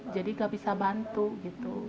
jadi gak bisa bantu gitu